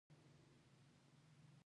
هغوی نن راغلل ډېر خوشاله وو